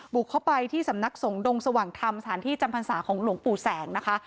บุกเข้าไปที่สำนักสงฆ์ดงสว่างธรรมสถานที่จำพรรษาของหลวงปู่แสงนะคะ